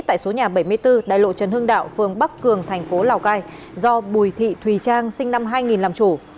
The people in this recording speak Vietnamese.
tại số nhà bảy mươi bốn đại lộ trần hưng đạo phường bắc cường thành phố lào cai do bùi thị thùy trang sinh năm hai nghìn làm chủ